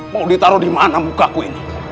mau ditaruh di mana mukaku ini